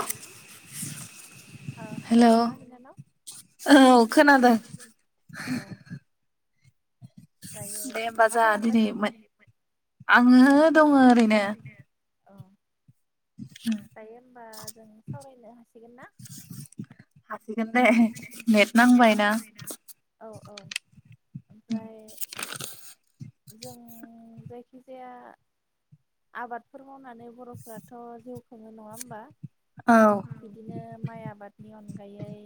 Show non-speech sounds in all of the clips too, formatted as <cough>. हेल' ओ खोनादोंना बिनानाव औ खोनादों औ। दायो मा खालामगासिनो आङो दङ ओरैनो अ। दायो होनबा जों सावरायनो हासिगोन ना? ओमफ्राय नेट नांबाना औ औ ओमफ्राय जों जायखिजाया आबादफोर मावनानै बर'फ्राथ' जिउ खुङो नङा होमबा? उम बिदिनो माइ आबादनि अनगायै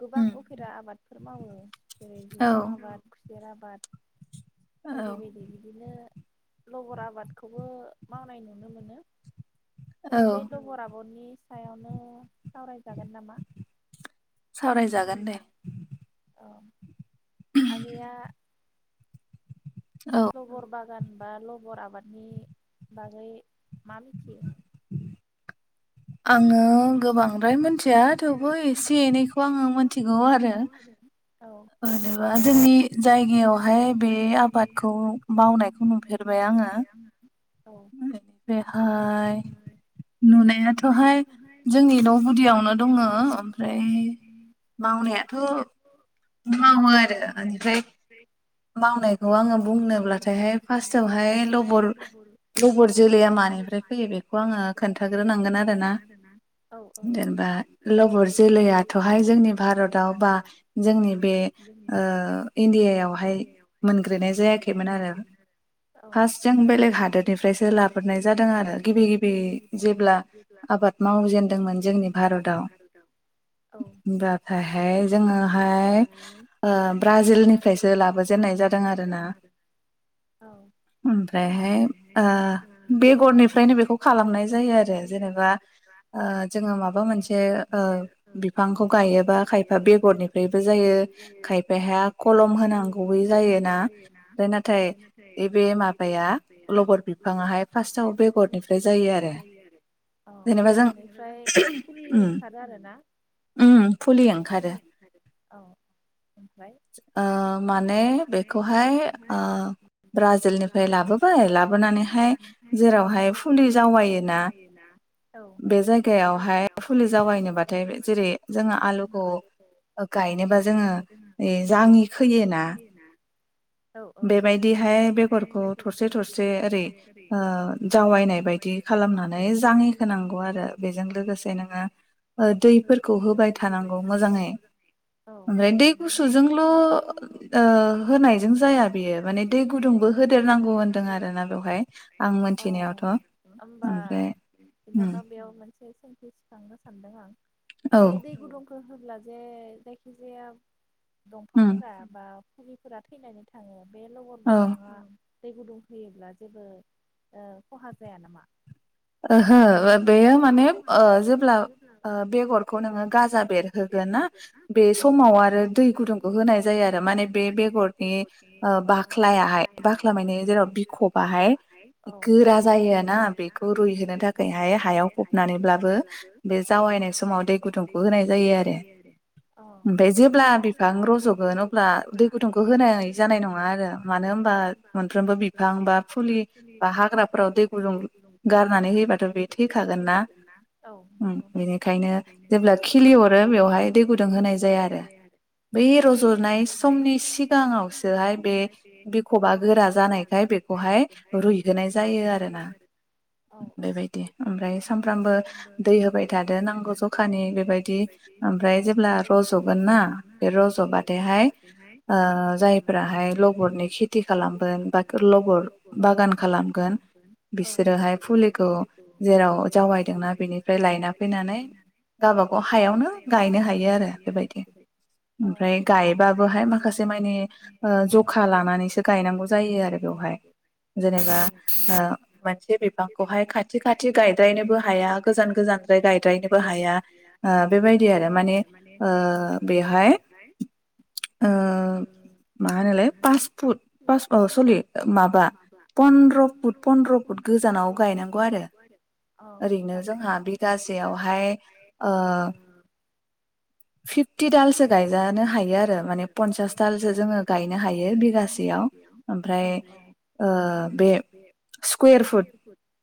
गोबां उफेरा आबाद <unintelligible> मावो। जेरै जुखाम आबाद, खुसेर आबाद बायदि -बायदि बिदिनो लबर आबादखौबो मावनाय नुनो मोनो। थ बे लबर आबादनि सायावनो सावरायजागोन नामा? सावरायजागोन दे आगैआ लबर बागान बा लबर आबाद <inaudible> आङो गोबांद्राय मिथिया थेवबो एसे एनैखौ आङो मिथिगौ आरो जेनेबा जोंनि जायगायावहाय बे आबादखौ मावनायखौ नुफेरबाय आङो <unintelligible> बेहाय नुनायाथ' हाय जोंनि द' गुदियावनो दङ ओमफ्राय मावनायाथ' मावो आरो बेनिफ्राय मावनायखौ आङो बुंनोब्लाथायहाय फार्स्टआवहाय लबर बेगर जोलैया मानिफ्राय फैयो बेखौ आङो खोन्थाग्रोनांगोन आरो ना जेनेबा लबर जोलैयाथ'हाय जोंनि भारताव बा जोंनि बे इण्डियायावहाय मोनग्रोनाय जायाखैमोन आरो फार्स्टजों बेलेग हादोर निफ्रायसो लाबोनाय जादों आरो गिबि गिबि जेब्ला आबाद मावजेनदोंमोन जोंनि भारताव होनब्लाहाय जोङोहाय ओ ब्राजिलनिफ्रायसो लाबोजेननाय जादों आरोना ओमफ्रायहाय ओ बेगरनिफ्रायनो बेखौ खालामनाय जायो आरो जेनेबा ओ जोङो माबा मोनसे ओ बिफांखौ गायोबा खायफा बेगरनिफ्रायबो जायो खायफाया खलम होनांगौै जायोना ओमफ्राय नाथाय बे बे माबाया लबर बिफाङाहाय फारसाव बेगरनिफ्राय जायो आरो औ बेगरनिफ्राय फुलि ओंखारो आरोना फुलि ओंखारो औ औ ओमफ्राय ओ माने बेखौहाय ब्राजिलनिफ्राय लाबो लाबोनानैहाय जेरावहाय फुलि जावायोना बे जायगायावहाय फुलि जावायनोबाथाय जेरै जोङो आलुखौ गायनोबा जोङो जाङि खोयोना बेबायदिहाय बेगरखौ थरसे थरसे ओरै ओ जावायनाय बायदि खालामनानै जा <unintelligible> खोनांगौ आरो बेजों लोगोसे नोङो दैफोरखौ होबाय थांनांगौ मोजाङै। ओमफ्राय दै गुसुजोंल' ओ होनायजों जाया बियो माने दै गुदुंबो होदेरनांगौ होन्दों आरोना बेवहाय आं मोनथिनायावथ'ओमफ्राय बिनानाव बेयाव मोन से सोंथि दिखांनो सान्दों आं बे दै गुदुंखौ होब्ला जे जायखिजाया दंफांफोरा बा फुलिफोरा थैनानै थाङो। बे लबर दंफाङा दै गुदुं होयोब्ला जेबो ओ खहा जाया नामा? ओहो बेयो माने ओ जेब्ला बेगरखौ नोङो गाजा बेर होगोन ना बे समाव आरो दै गुदुंखौ होनाय जायो आरो माने बे बेगरनि बाख्लायाहाय बाख्ला मायने जेराव बिखबाहाय गोरा जायो ना बे खौ रुइनो थाखायहाय हायाव हुरनानैब्लाबो बे जावैनाय समाव दै गुदुंखौ होनाय जायो आरो अ ओमफ्राय जेब्ला बिबां रज'गोन अब्ला दै गुदुंखौ होनाय जानाय नङा आरो मानो होनबा मोनफ्रोमबो बिबां बा फुलि बा हाग्राफोराव दै गुदुं गारनानै होबाथ' बे थैखागोन ना औ नंगौ उम बेनिखायनो जेब्ला खिलि हरो बेवहाय दै गुदुं होनाय जाया आरो बे रुगुनाय समनि सिगाङावसोहाय बे बिखबा गोरा जानायखाय बेखौहाय रुयहोनाय जायो आरो। बेबायदि ओमफ्राय सानफ्रामबो दै होबाय थादो नांगौ जखानि बेबायदि ओमफ्राय जेब्ला रज'गोन ना बे रज'बाथायहाय ओ जायफोराहाय लबरनि खेथि खालामगोन बा लबर बागान खालामगोन बिस जेरावहाय फुलिखौ जेराव जावायदोंना बेनिफ्राय लायना फैनानै गाबागाव हायावनो गायनो हायो आरो बेबायदि ओमफ्राय गायबाबोहाय माखासे मानि ओ जखा लानानैसो गायनांगौ जायो आरो बेवहाय जेनेबा ओ मोनसे बिफांखौहाय खाथि-खाथि गायद्रायनोबो हाया गोजान-गोजानद्राय गायद्रायनोबो हाया ओ बेबायदि आरो माने बेवहाय ओ मा होनोलाय पास फुट अ सरि माबा पन्द्र फुट प्रनद्र गायनागौ आरो ओरैनो जोंहा बिगासेयावहाय ओ फिफटि दालसो गायजानो हायो आरो माने फनसास दालसो जोङो गायनो हायो बिगासेयाव। ओमफ्राय ओ बे देर फुट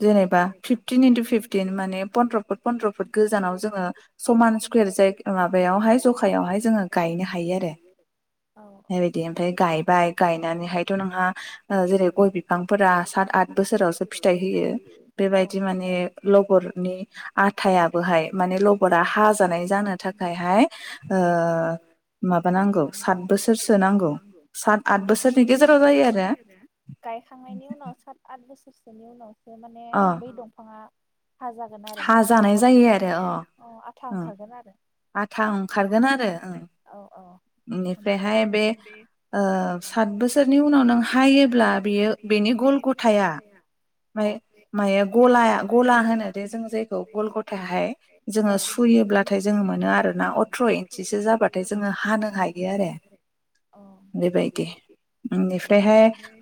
जेनेबा फिफटिन इन्टु फिफ्टिन माने पनन्द्र' फुट फनन्द्र फुट गोजानाव जोङो समान स्कुवेर जाय माबायावहाय जखायावहाय जोङो गायनो हायो। आरो बेबायदि ओमफ्राय गायबाय गायनानैहायथ' नोंहा जेरै गय बिफांफोरा सात आथ बोसोरावसो फिथाइ होयो। यो बेबायदि माने लबरनि आथायाबोहाय माने लबरा हाजानाय जानो थाखायहाय ओ माबा नांगौ सात बोसोरसो नांगौ सात आत बोसोरनि गेजेराव जायो आरो। बेनि उनाव बे माने बै दंफाङा हा जागोन आरो ना लबर हाजानाय जायो आरो औ आथा ओंखारगोन आरो आथा ओंखारगोन आरो औ-औ ओमफ्राय बेहाय बे ओ सात बोसोरनि उनाव नों हायोब्ला बेयो बेनि गल गथाया फ्राय माया गलाया गला होनो? बे जों जायखौ गलगथायाहाय जोङो सुयोब्लाथाय जो मोनो आरोना अथ्र' इसिसो जाबाथाय जोङो हानो हायो आरो बेबायदि बेनिफ्राय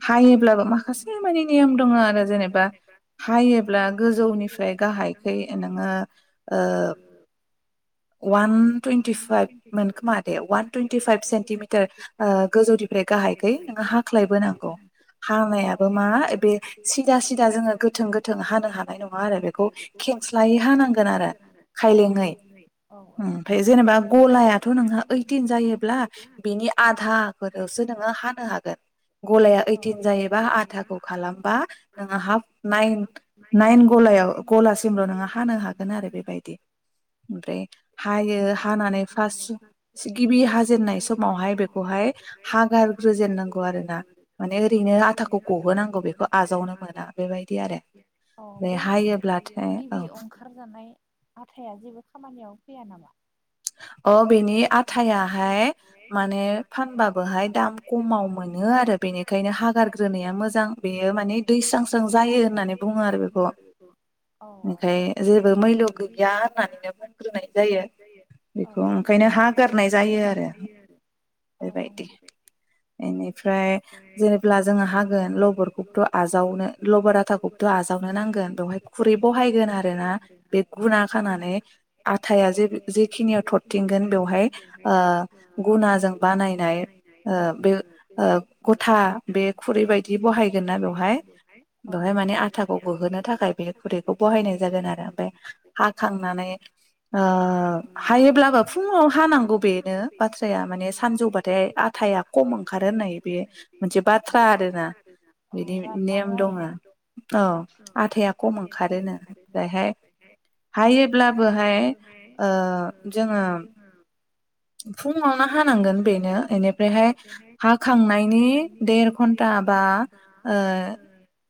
हायोब्लाबो माखासे माने नियम दङ आरो जेनेब बा हायोब्ला गोजौनिफ फ्राय गाहायखै नोङो ओ वान थुयेनथिफायब मोनखोमा दे वान थुयेनथिफायब सेनटिमिथार ओ गोजौनिफ्राय गाहायखै नोङो हाख्लायबोनांगौ हानायाबो मा बे सिदा-सिद जोङो गोथों-गोथों हानो हानाय नङा आरो बे खौ खेंस्लायै हानांगोन आरो खायलेंयै ओमफ्राय जेनेबा गलायाथ' नोंहा ओइटिन जायोब्ला बिनि आधाखौसो नोङो हानो हागोन गलाया ओइटिन जायोबा आधाखौ खालामबा नोङो हा नाय-नायन गलायाव गलासिमल' नोङो हानो हागोन आरो बेबायदि ओमफ्राय हायो हानानै फारस गिबि हाजेननाय समावहाय बेखौहाय हागारग्रजेननांगौ आरोना माने ओरैनो आथाखौ गहोनांगौ बेखौ आजावनो मोना बे बिदि आरो बे हायोब्ला गिबि ओंखारजानाय हाथाइा जेबो खामानियाव गैया नामा अ बेनि आथायाहाय माने फानबाबोहाय दाम खमाव मोनो आरो बेनिखायनो हागारग्रोनाया मोजां बेयो माने दैस्रां जायो होननानै बुङो आरो बेखौ ओनिखाय जेबो मैल्य' गैया होननानैनो बुंग्रोनाय जायो बेखौ ओंखायनो हा गारनाय जायो आरो बेबायदि बेनिफ्राय जेनेब्ला जोङो हागोन लबरखौबोथ' आजाव नो लबार आथाखौथ' आजावनो नांगोन बेावहाय खुरै बहायगोन आरोना बे गुना खानानै आटा जे जेखिनियाव थरथिंगोन बेवहाय गुनाजों बानायनाय बे गथा बे खुरै बायदि बहायगोन ना बेवहाय बेवहाय माने आथाखौ गोहोनो थाखाय बे खुरैखौ बहायनाय जागोन आरो ओमफ्राय हाखांनानै हायोब्लाबो फुङाव हानांगौ बेनो बाथ्राया माने सानजौबाथाय आथाया खम ओंखारो होननाय बे मोनसे बाथ्रा आर ना बिनि दङ औ आथाया खम ओंखारोनो ओमफ्रायहाय हायोब्लाबोहाय जोङो फुङावनो हांगोन बेनो बेनिफ्रायहाय हाखांनायनि देर घन्टा ब <unintelligible>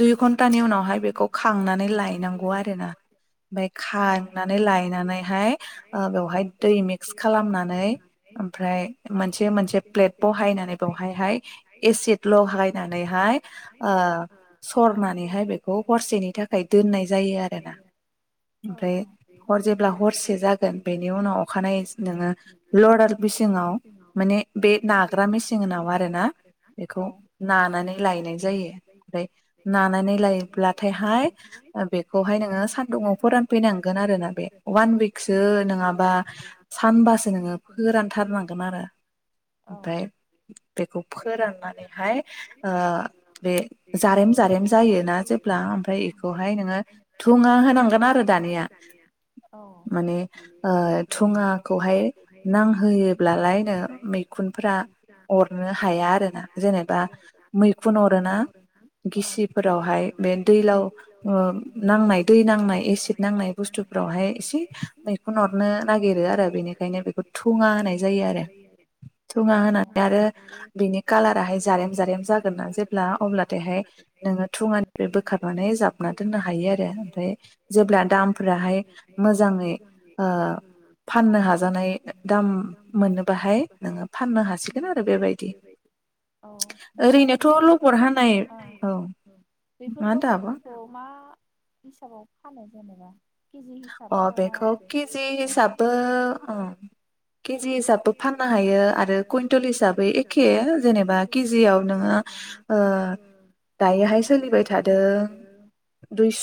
दुइ घन्टानि उनावहाय बेखौ खांनानै लायनांगौ आरोना ओमफ्राय खांनानै लायनानैहाय ओ बेवहाय दै मिक्स खालामनानै ओमफ्राय मोनसे मोनसे प्लेट बाहायनानै बेवहायहाय एसिड लहायनानैहाय ओ सरनानैहाय बेखौ हरसेनि थाखाय दोननाय जायो आरोना ओमफ्राय हर जेब्ला हरसे जागोन बेनि उनाव अखानाय नोङो लदार मेचङाव माने बे नाग्रा मेचिं आरोना बेखौ नानानै लायनाय जायो ओमफ्राय नानानै लायोब्लाथायहाय बेखौहाय नोङो सान्दुुंआव फोरानफैनांगोन आरोना बे अवान उइकसो नङाबा सानबासो नोङो फोरानथारनांगोन आरो ओमफ्राय बेखौ फोराननानैहाय ओ बे जारेम जारेम जायोना जेब्ला ओमफ्राय बेखौहाय नोङो थुङा होनांगोन आरो दानिया माने ओ थुङाखौहाय नांहोयोब्लालायनो मैखुनफ्रा अरनो हाया आरो ना जेनेबा मैखुन अर रोना गिसिफोरावहाय बे दैलाव ओ नांनाय दै नांनाय एसिद नांनाय बुस्थुफोरावहाय एसे मैखुन हरनो नागिरो आरो बेनिखायनो बेखौ थुङा होनाय जायो आरो थुङा होनानै आरो बिनि कालाराहाय जारेम जारेम जागोन ना जेब्ला बेहाय नोङो थुङानिफ्राय बोखारनानै जाबना दोननो हायो आरो ओमफ्राय जेब्ला दामफोराहाय मोजाङै ओ फाननो हाजानाय दाम मोनोबाहाय नोङो फाननो हासिगोन आरो बेबायदि ओरैनोथ लकेल अरहानाय बेफोर लबदफोरखौ मा हिसाबाव फानो जेनेबा अ बेखौ केजि हिसाबबो ओम केजि हिसाबबो फाननो हायो आरो कुइन्टेल हिसाबै एखे जेनेबा केजियाव नोङो ओ दायोहाय सोलिबाय थादों दुइस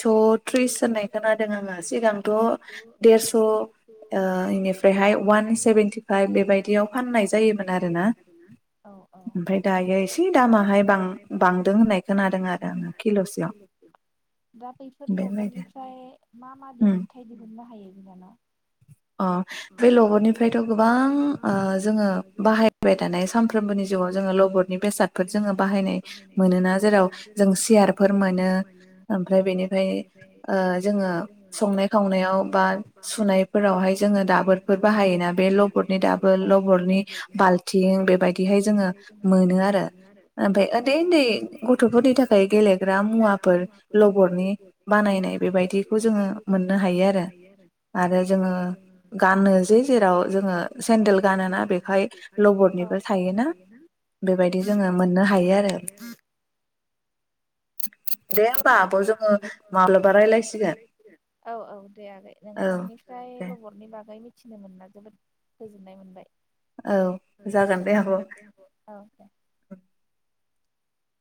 थ्रिस होननाय खोनादों आङो सिगांथ देरस ओ इनिफ्रायहाय अवान सेभेेनटि फाइभ बेबायदियाव फाननाय जायोमोन आरोना ओमफ्राय दायो एसे दामाहाय बां बांदों होननाय खोनादों आरो आङो किल'सेयाव बेबायदि मा दिहुनथाइ दिहुननो हायो बिनानाव अ बे लबरनिफ्रायथ गोबां ओ जोङो बाहायबाय थानाय सामफ्रोमबोनि जिवाव जोङो लबरनि बेसादफोर जोङो बाहाय बाहायनाय मोनोना जेराव जों चेयार फोर मोनो ओमफ्राय बेनिफ्राय ओ जोङो संनाय खावनायाव बा सुनाय फोरावहाय जोङो दाबोरफोर बाहायोना बे लबदनि दाबोर लबदनि बाल्थिं बेबायदिहाय जोङो मोनो आरो ओमफ्राय उन्दै उन्दै गथ'फोरनि थाखाय गेलेग्रा मुवाफोर लबदनि बानायनाय बेबायदिखौ जोङो मोननो हायो आरो आरो जोङो गानो जे जेराव जोङो सेनदेल गोनो बेवहाल लबदनिबो थायोना बेबायदि जोङो मोननो हायो आरो <inaudible> लबरनि बागै मिथिनो मोनना जोबोद जोबोद गोजोननाय मोनबाय <inaudible>